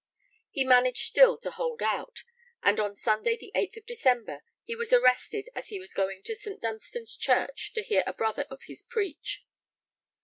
He managed still to hold out, and on Sunday the 8th of December he was arrested as he was going to St. Dunstan's Church 'to hear a brother of his preach.'